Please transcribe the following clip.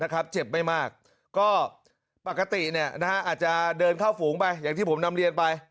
เจ็บไม่มากก็ปกติอาจจะเดินเข้าฝูงไปอย่างที่ผมนำเรียนไป